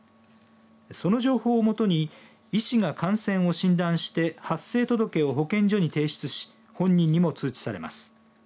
その情報を基に医師が感染を診断して発生届を保健所に提出し本人にも通知されます。